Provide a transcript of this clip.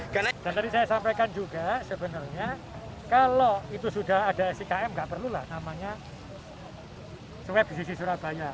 dan tadi saya sampaikan juga sebenarnya kalau itu sudah ada sikm nggak perlulah namanya web di sisi surabaya